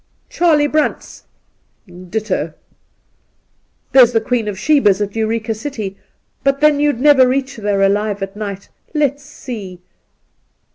Charlie Brandt's — ditto ! There's the Queen of Sheba's at Eureka City; but, then, you'd never reach there alive — at night. Let's see